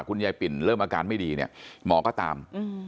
คุณยายปินเริ่มอาการไม่ดีเนี้ยหมอก็ตามอืม